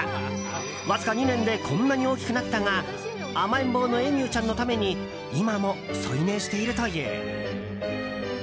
わずか２年でこんなに大きくなったが甘えん坊のエミューちゃんのために今も添い寝しているという。